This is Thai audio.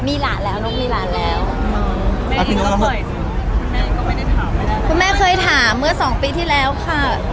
มีหลานแล้วนกมีหลานแล้วแม่เองก็ปล่อยคุณแม่ก็ไม่ได้ถามไม่ได้คุณแม่เคยถามเมื่อสองปีที่แล้วค่ะ